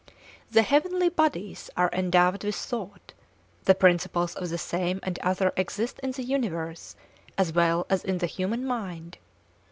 The heavenly bodies are endowed with thought; the principles of the same and other exist in the universe as well as in the human mind.